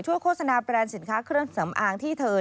โฆษณาแบรนด์สินค้าเครื่องสำอางที่เธอ